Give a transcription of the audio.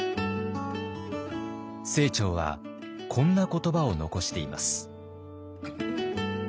清張はこんな言葉を残しています。